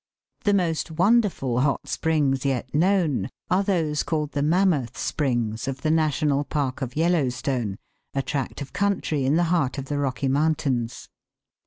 The most wonderful hot springs yet known are those called the Mammoth springs of the National Park of Yellow stone, a tract of country in the heart of the Rocky Moun MAMMOTH SPRINGS. 89 tains.